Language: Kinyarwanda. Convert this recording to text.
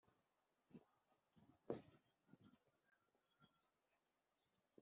Azane inyandiko nk’iyabandi bahuje intego